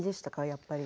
やっぱり。